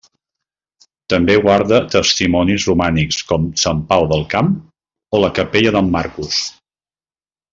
També guarda testimonis romànics com Sant Pau del Camp o la capella d'en Marcús.